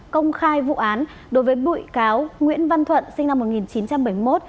công khai vụ án đối với bụi cáo nguyễn văn thuận sinh năm một nghìn chín trăm bảy mươi một